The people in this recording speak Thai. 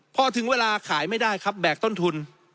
พอถึงเวลาขายไม่ได้ครับแบกต้นทุน